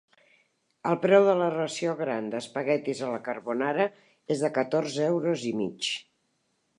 El preu de la ració gran d'espaguetis a la carbonara és de catorze euros i mig.